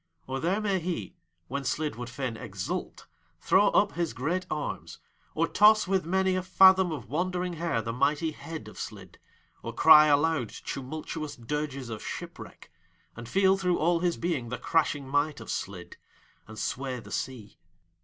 Or there may he, when Slid would fain exult, throw up his great arms, or toss with many a fathom of wandering hair the mighty head of Slid, and cry aloud tumultuous dirges of shipwreck, and feel through all his being the crashing might of Slid, and sway the sea.